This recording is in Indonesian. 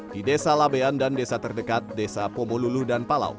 di desa labean dan desa terdekat desa pomolulu dan palau